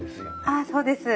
ああそうです。